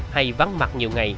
hay vắng mặt nhiều ngày